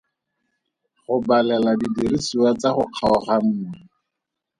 Go balela didiriswa tsa go kgaoganngwa.